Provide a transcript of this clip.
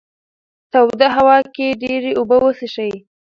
توده هوا کې ډېرې اوبه وڅښئ.